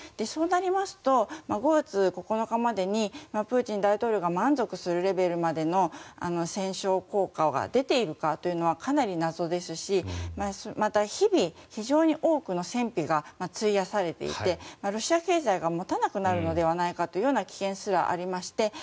そうなりますと５月９日までにプーチン大統領が満足するレベルまでの戦勝効果が出ているかというのはかなり謎ですしまた日々、非常に多くの戦費が費やされていて、ロシア経済が持たなくなるのではというような危険すらありまして